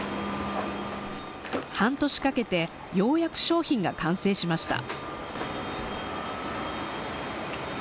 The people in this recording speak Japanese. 半年かけてようやく商品が完成しました。